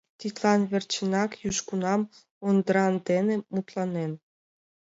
Тидлан верчынак южгунам Ондран дене мутланен.